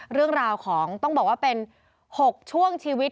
เรื่องราวของต้องบอกว่าเป็น๖ช่วงชีวิต